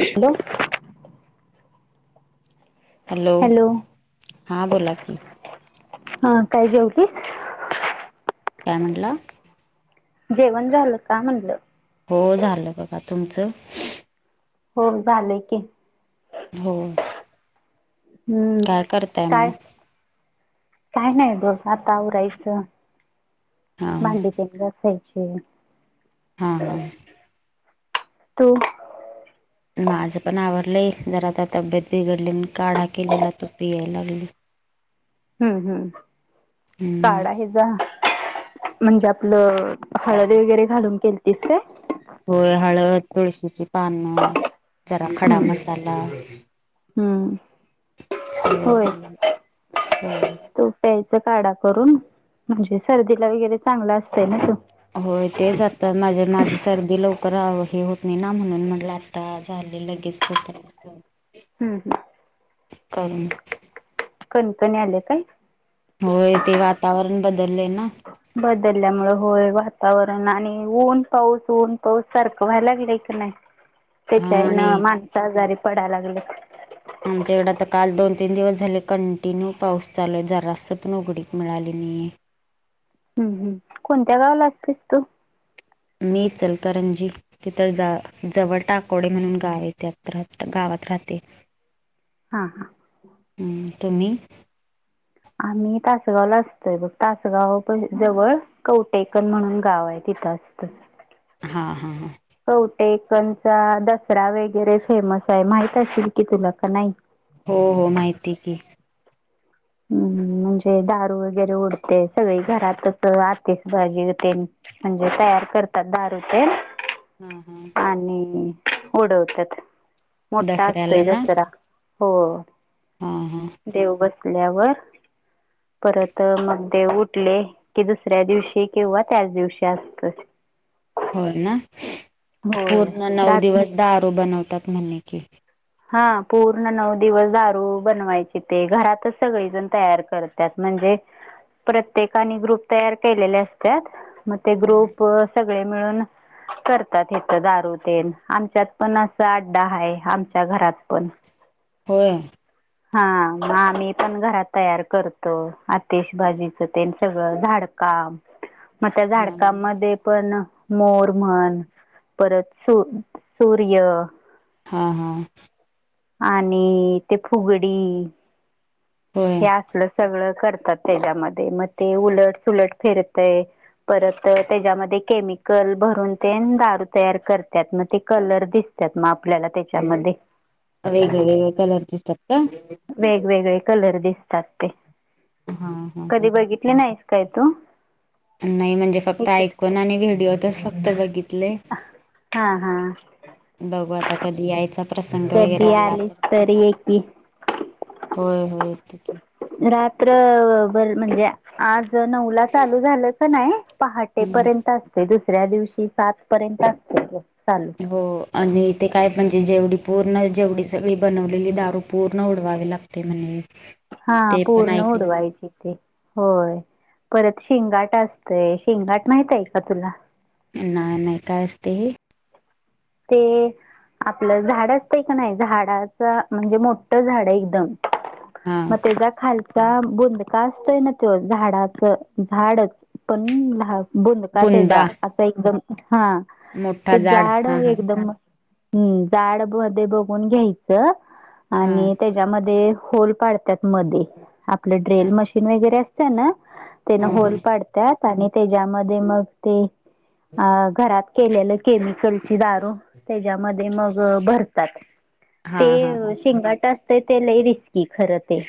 Hello. Hello हां बोला की. हा काय घेऊती का म्हंला. जेवण झालं का म्हणलं. हो झालं बघ तुमचं. हो झाले की हो. हम्म काय करताय मग काय काय नाही बघ आता आवरायचं हां मांडी कें आहे. अच्. हा हा. तो माझं पण आवडलंय जर आता तब्येत बिघडली आणि काढा केलेला तू पियायला लागली. हम्म हम्म हम्म काड आहे जा म्हणजे आपलं हळदी वगैरे घालून केल तस ते होय हळद तुळशीची पानं जरा खडा हम्म मसाला हम्म. सगळं होय झालं हो तो प्यायचा काढा करून म्हणजे सर्दीला वगैरे चांगला असतय ना तो होय तेचात माझ माझी सर्दी लवक हे होत नाही ना म्हणून म्हटलं आता झाले लगेच तोप हम्म हम्म करून कणकणी आले काय होय ते वातावरण बदललेय ना बदलल्यामुळे होय वातावरण आणि ऊन पाऊस ऊन पाऊस सारखं व्हायला गे क हा त्याच्यान आणि माणस आजारी पडायला लागलं आमच्या इकडे आता काल दोन तीन दिवस झाले कंटिन्यू पाऊस चालूय जस प उघडीत मिळाली आणि हम्म हम्म कोणत्या गावाला असतेस तू मी चलकरंजी तिथ जा जवळ टाकोडे म्हणून गाव त्यात राह गावात राहते. [unintelligible] हा हा. हम्म तुम्ही? आम्ही तासगावला असतोय बघ तासगाव जवळ कवटेकन म्हणून गाव आहे तिथ. तच त हा हा हा टेकनचा दसरा वगैरे फेमस आहे माहित असशल कि तुला का नाही हो हो माहिती की हम्म म्हणजे दारू वगैरे उडते सगळी घरातच आतेच भाजी हो म्हणजे तया करतात दार ते हां हां आणि उडवतात मोठा असतोय दसऱ्याला ना दसरा हो हां हां देव बसल्यावर परत मग उठले कि दुसऱ्या दिवशी किंवा त्याच दिवशी असत होय ना होय पूर्ण नऊ रात दिवस दारू बनवतात म्हणेणे की हा पूर्ण नऊ दिवस दारू बनवायचे ते घरातच सगळेजण तयार करतात म्हणजे प्रत्येकाने ग्रुप तयार केलेल्या असतात ते ग्रुप मि करात दारू आमच्यात पण अस आड्डा आ. च्या घरात पण होय. हा मग आम्ही पण घरात तयार करतो आतिश भाजीच ते सगळं झाड. का मग त्या हां हां झाडकांमध्ये पण मोरमन परत सु सूर्य हा हा. आणि ते फुगडी होय हे असलं सगळं. त्याच्या मग ते उलट सुलट फिरताय परत त्याच्यामध्ये कल भरून ते दारू तयार करतात मग ते कलर दिसतात मग आपल्याला त्याच्यामध्ये वेग वग कलरस वेगवेगळे कलर दिसतात ते हां हां हां कधी बघितले नाही. कायतो. नाही म्हणजे फक्त ऐकून आणि व्हिडिओतच फक्त बघितले. हा हा बघू आता कधी यायचा. प्रसंग वगैरे कधी आला आलीस तर मग ये की होय होय. की. रात्रभर म्हणजे आज नऊ ला चालू झालं क नाही पहाटे हम्म पर्यंत असतेस. तुसऱ्या दिवशी सात पर्यंत असत. हो आणि तेे काय पण जे जेवढी पूर्ण जेवढी सगळी बनवलेली दारू पूर्ण उडवावी लागते म्हणेजे हा पूर्ण उडवायचीथे होय परत शेंगाट असतय शेंगाट माहित आहे का तुला नाही नाही काय असते हे. ते आपलं झाड असतंय का नाही झाडाच म्हणजे मोठं झाड एकदम हा मग त्याच्या खाली बुंदका असतोय ना तो झाडाचं झाडच पण बुंदका त्याचा बुंदा असं एकदम हा मोठा ते जाड झाड हा हा हम्म जाड मध्ये बघून घ्यायचं हा आणि त्याच्यामध्ये होल पाडतात मध्ये आपलं हा ड्रिल मशीन वगैरे असतं ना तेन हा हा होल पाडत आणि त्याच्यामध्ये मग ते अ घरात. केलेलं केमिकलची दारू त्याच्यामध्ये मग भरतात हा हा हा ते शिंगाट असते ते लई रिस्की खर ते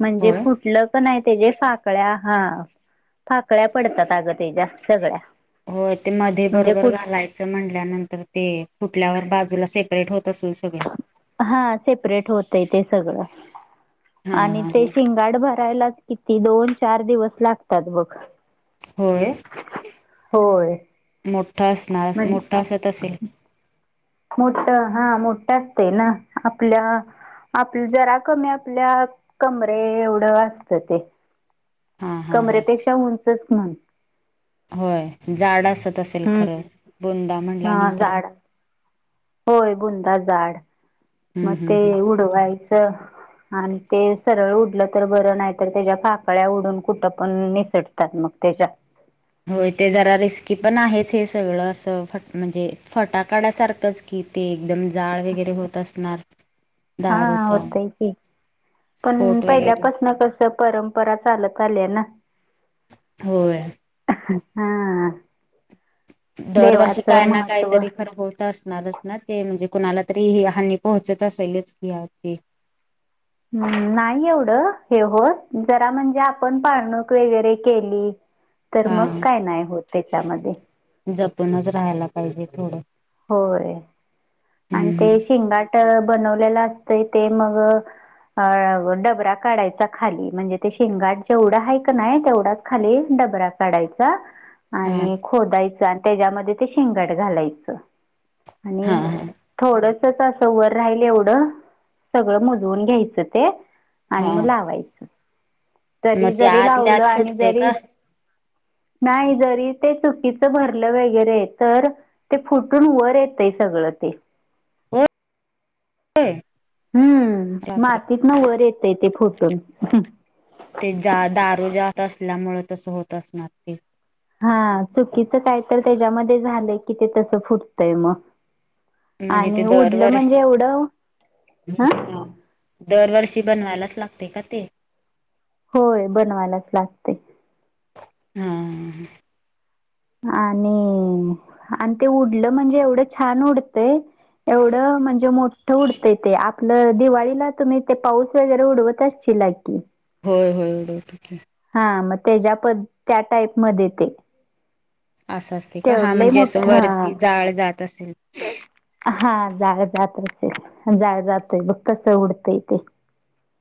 म्हणजे होय फुटलं का नाही तेच्या पाकळ्या हा पाकळ्या पडतात अगं तेच्या्या सगळ्या हो ते मध्ये म्हणजे बरोबर कुठ घालायचं म्हटल्यानंतर ते फुटल्यावर बाजूला सेप्रेट होत. असेल सगळं हा सेप्रेट होतय ते सगळं. हा हा आणि ते हा शिंगाट भरायलाच किती दोन चार दिवस लागतात बघ. होय. होय मोठा असणार म्हण मोठा असत असेल. मोठ हा मोठं असते ना आपल्या आपल्या जरा कमी आपल्या कमरे एवढं असत ते हा हा हा कमरेपेक्षा उंचच म्हण. होय जाड असत असेल खरं हम्म बुंदा हा म्हणल्यानंतर जाड होय बुंदा झाड हम्म मग हम्म ते हम्म उडवायचं. आणि ते सरळ उडलं तर बरं नाही तर त्याच्या पाकळ्या उडून कुठं पण निसटतात मग, तेच्या होय ते जरा रिस्की पण आहेच, हे सगळं असं म्हणजे फटाकड्या सारखंच की ते एकदम जाळ वगैरे होत असणार हा दारूचा होतय की पण स्पोट पहिल्या वगैरे पासन कस परंपरा चालत आल्या ना होय हा दरवर्षी देवाचं काय ना काय महत्त्व तरी खर होत असत ना ते म्हणजे कुणाला तरी हानी पोहोचत असेलच की अगदी हम् नाही एवढं हे होत जरा म्हणजे आपण पाळणूक वगैरे केली. तर हा मग काय नाही होत त्याच्यामध्ये जपूनच राहायला पाहिजे थोडं. होय आणि हम्म ते हम्म शेंगाट बनवलेला असतय ते मग अ डबरा काढायचा खाली म्हणजे ते शेंगाट जेवढा आहे का नाही तेवढाच खाली डबरा काढायचा हा आणि खोदायच आणि त्याच्यामध्ये ते शिंगट घालायचं हा आणि थोड असं वर राहिल एवढं सगळं मुजवून घ्यायचं ते आणि हा मग लावायचं मग तरी ते जरी आतल्या लावलं आत आणि सुटते जरी का नाही जरी ते चुकीच भरलं वगैरे तर ते फुटत फुटून वर येतय सगळ ते हम हम् हम्म मातीतन वर येतय ते फुटून ते जा दारू जास्त असल्यामुळे तस होत असणार ते हा चुकीचं काय तर त्याच्यामध्ये झालंय की ते तसं फुटतय मग म्हणजे ते आणि उडलं म्हणजे दरवर्षी एवढं हं हा दरवर्षी बनवायलाच लागते का ते होय बनवायलाच लागते. हा आणि आणि ते उडलं म्हणजे एवढं छान उडतय एवढं म्हणजे मोठ उडत ते आपलं दिवाळीला तुम्ही ते पाऊस वगैरे उडवत असश ला की होय होय उडवतके हा मग त्या टाप म असं असते का? हां म्हणजे असं वरती जाळ जात असेल. हां जाळ जातय ते जाळ जातय बग कस उडतय ते.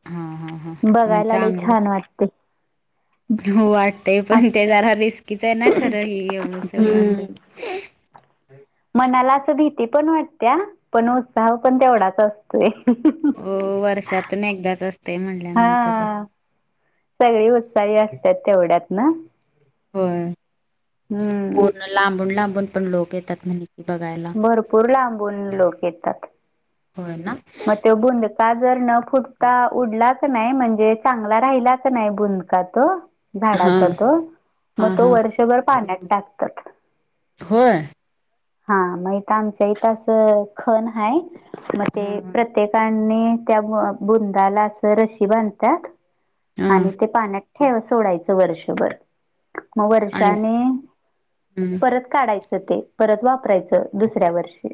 हा हा हा बघायला लय छान वाटतय. वाटतय पण ते जरा रिस्कीच आय ना खरं हं एवढं सगळं असं. हम्म [unintelligible] मनाला अस भीती पण वाटते पण उत्साह पण तेवढाच असतोय हो वर्षातून एकदाच असत हा सगळी उत्साळी असतात तेवढ्यात ना होय हम्म पूर्ण लांबून लांबून पण लोक येतात म्हज भरपूर लांबून लोक येतात होय ना मग तो बुंदका जर न फुटता उडला नाही म्हणजे चांगला राहिलाच नाही बुका तो हा झाडाचा तर मग हा तो वर्षभर पाण्यात टाकतात हो हा मग तर आमच्या इथ असं खण हाय मग ह ते त्या बुंदाला अस र बांधतात ह आणि ते पाण्यात ठेव सोडायचं वर्षभर मग आणि वर्षाने हम्म परत काढायचं तर ते परत वापरायचं, दुसऱ्या वर्षी.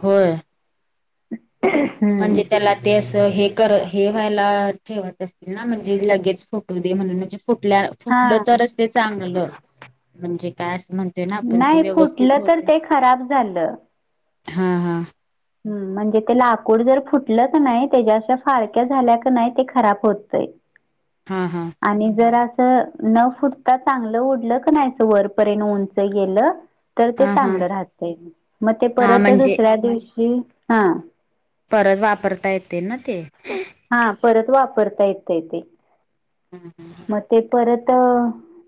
होय हम्म म्हणजे त्याला ते अस हे कर, हे व्हायला ठेवत असतील ना म्हणजे लगेच फोटो दे म्हणून म्हण फुटल्या, हा फुटलं तरच ते चांगलं, म्हणजे काय? म्हणते ना आपण ती नाही व्यवस्थित फुटलं तर होते. ते खराब झालं हां हां. म्हणजे ते लाकूड जर फुटलं का नाइ त्याच्या अशा फाळक्या झाल्या का नाइ ते खराब होतय. हा हा आणि जर तर न फुटता चांगलं ओढलं का नाहीचं वरपर्यंत उंच गेलं. तर ते हा हा चांगलं राहतय, म ते हा परत म्हणजे दुसऱ्या दिवशी हां. परत वापरता येतय ना ते. हां परत वापरता येतय ते. मग ते परत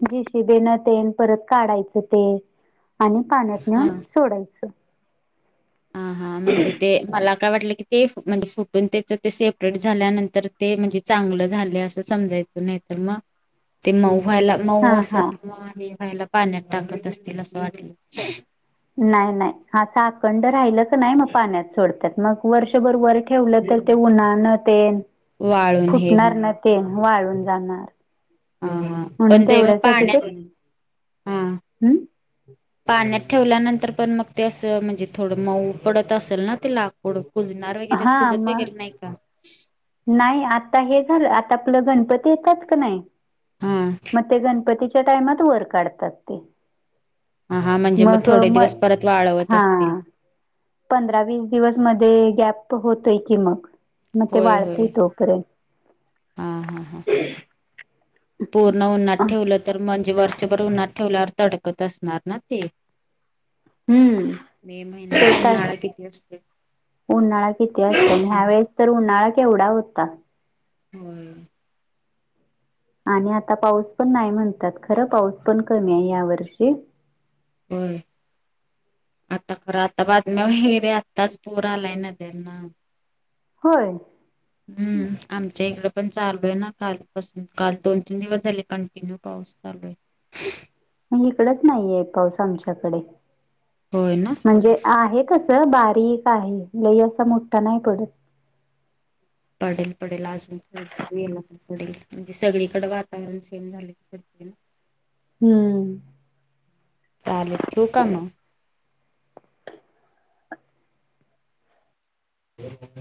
जीशिबेन तेन परत काढायचं ते. आणि पाण्यात नेऊन सोडायचं. हां हां, म्हणजे ते मला काय वाटलं? ते म्हणजे फुटून तेच ते सेपरेट झाल्यानंतर ते म्हणजे चांगलं झालय असं समजायचं नाही. मग ते मऊ. व्हायला मऊ हां असे हां किंवा हे व्हायला पाण्यात टाकत असतील असं वाटलं. कंड राहिलं क नाही मग पाण्यात सोडत्यात मग वर्षभर वर ठेवलं तर ते उन्हानं तेन वाळून हे फुटणार न होणार ते वाळून जाणार हा हा म्हणून पण ते मग तेवढ्यासाठी ते पाण्यात हा हम्म पाण्यात ठेवल्यानंतर पण मग ते असं म्हणजे थोडं मऊ पडत असल ना ते लाकूड कुजणार वगैरे हां कुजत मग वगैरे नाही का? नाही आता हे झालं, आता आपलं गणपती येतात का नाही. हा मग ते गणपतीच्या टाइमात वर काढतात ते ह हा म्हणजे मग थोडे दिवस परत वाळवत असतील. हां पंधरा वीस दिवस मध्ये गॅप होतोय की मग, मग ते होय वाळ हा हा हा पूर्ण उन्हात ठेवलं तर म जे वर्षभर उन्हात ठेवल्यावर तडकत असणार ना ते हम्म मे ते महिन्यात तर उन्हाळा किती असतोय. उन्हाळा किती असतो आणि ह्या वेळेस तर उन्हाळा केवढा होता. होय आणि आता पाऊस पण नाही म्हणतात, खरं पाऊस पण कमी आहे या वर्षी हम्म आता खरं आता बातम्या हेरे आत्ताच पूर आलाय नद ना. होय. हम्म आमच्या इकडे पण चालू आहे ना काल पासून काल दोन तीन दिवस झाले कंटिन्यू पा सलवे इकडच नाहीे आहे पाऊस आमच्याकडे, होय ना म्हणजे आहे कस च बारीक आहे, लई असा मोठा नाही पडत. पडेल पडेल अजून तर गेला तर पडेल, म्हणजे सगळीकडे वातावरण सेम झालय. [inaudible] हम्म. चालेल ठिवू का म [inaudible]